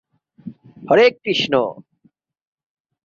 গ্রুপের শীর্ষ চার দল নক-আউট পর্বে উপনীত হবে।